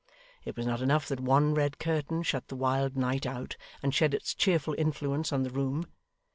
It was not enough that one red curtain shut the wild night out, and shed its cheerful influence on the room.